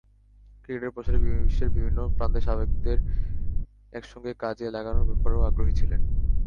ক্রিকেটের প্রসারে বিশ্বের বিভিন্ন প্রান্তে সাবেকদের একসঙ্গে কাজে লাগানোর ব্যাপারেও আগ্রহী ছিলেন।